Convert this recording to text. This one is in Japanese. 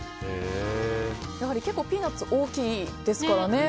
結構ピーナツ大きいですからね。